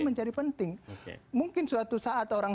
menjadi penting mungkin suatu saat orang